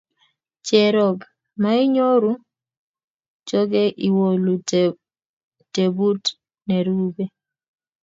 Cherop mainyoru, chokey iwolu tebut nerube.